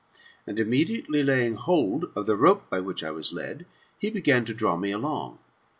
And, immediately laying hold of the rope by which I was led, he began to draw me along.